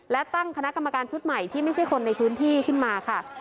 และตั้งคณะกรรมการชุดใหม่ที่ไม่ใช่คนในพื้นที่ขึ้นมาค่ะ